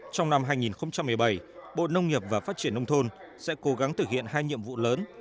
trong năm hai nghìn một mươi bảy bộ nông nghiệp và phát triển nông thôn sẽ cố gắng thực hiện hai nhiệm vụ lớn